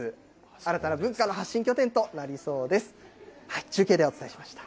新たな文化の発信拠点となりそうです。